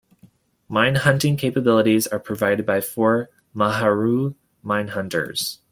Minehunting capabilities are provided by four "Mahameru" minehunters.